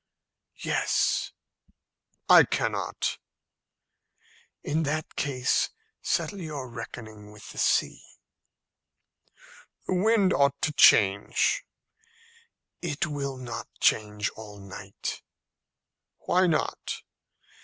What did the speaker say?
"Yes." "I cannot." "In that case settle your reckoning with the sea." "The wind ought to change." "It will not change all night." "Why not?"